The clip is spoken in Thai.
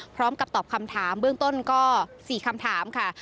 พร้อมกับตอบคำถามเบื้องต้นก็๔คำถามค่ะ